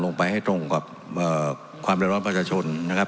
ลงไปให้ตรงกับความเดือดร้อนประชาชนนะครับ